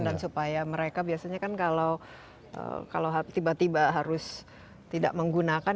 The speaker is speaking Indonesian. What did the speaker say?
dan supaya mereka biasanya kan kalau tiba tiba harus tidak menggunakan